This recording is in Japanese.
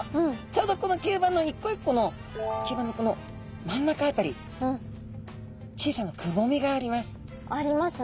ちょうどこの吸盤の一個一個の吸盤のこの真ん中あたり小さなくぼみがあります。